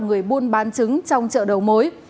người buôn bán trứng trong chợ đầu mối